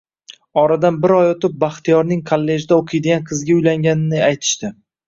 Oradan bir oy oʻtib, Baxtiyorning kollejda oʻqiydigan qizga uylanganini aytishdi